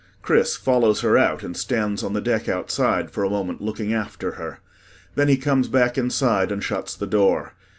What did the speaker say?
CHRIS follows her out and stands on the deck outside for a moment looking after her. Then he comes back inside and shuts the door.